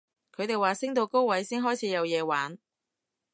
佢哋話升到高位先開始有嘢玩